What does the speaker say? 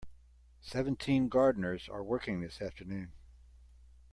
Seventeen gardeners are working this afternoon.